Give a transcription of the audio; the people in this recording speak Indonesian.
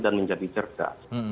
dan menjadi cerga